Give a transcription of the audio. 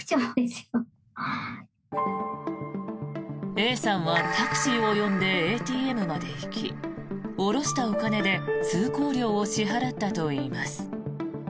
Ａさんはタクシーを呼んでＡＴＭまで行き下ろしたお金で通行料を支払ったといいます。